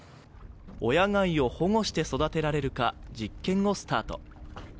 親貝を保護して育てられるか、実験をスタート。